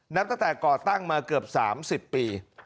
นับตั้งแต่ก่อตั้งมาเกือบ๓๐ปี